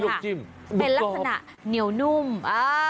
อันนี้ลวกจิ้มเป็นลักษณะเหนียวนุ่มอ่า